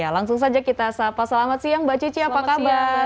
langsung saja kita sapa selamat siang mbak cici apa kabar